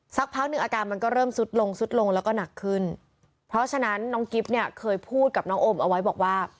สักพักหนึ่งอาการมันก็เริ่มซุดลงสุดลงแล้วก็หนักขึ้นเพราะฉะนั้นน้องกิ๊บเนี่ยเคยพูดกับน้องอมเอาไว้บอกว่า